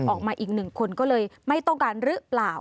อีกหนึ่งคนก็เลยไม่ต้องการหรือเปล่า